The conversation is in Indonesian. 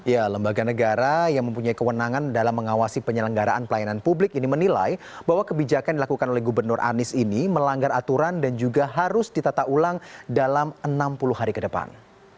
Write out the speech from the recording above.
ya lembaga negara yang mempunyai kewenangan dalam mengawasi penyelenggaraan pelayanan publik ini menilai bahwa kebijakan dilakukan oleh gubernur anies ini melanggar aturan dan juga harus ditata ulang dalam enam puluh hari ke depan